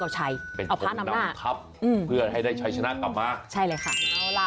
ใช่เลยค่ะ